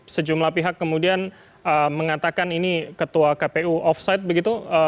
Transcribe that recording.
sejumlah pihak kemudian mengatakan ini ketua kpu offside begitu